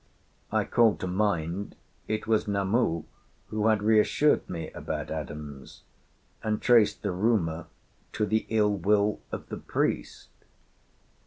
I called to mind it was Namu who had reassured me about Adams and traced the rumour to the ill will of the priest.